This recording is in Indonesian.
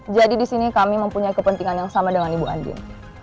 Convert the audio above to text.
jadi disini kami mempunyai kepentingan yang sama dengan ibu andin